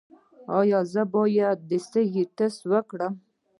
ایا زه باید د سږو ټسټ وکړم؟